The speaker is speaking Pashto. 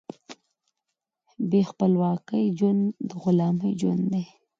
بې خپلواکۍ ژوند د غلامۍ ژوند دی.